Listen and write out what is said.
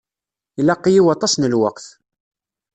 Ilaq-iyi waṭas n lweqt.